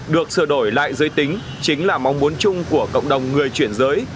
được sửa đổi lại giới tính chính là mong muốn chung của cộng đồng người chuyển giới